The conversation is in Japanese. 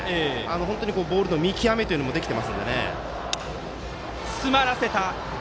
本当にボールの見極めもできていますのでね。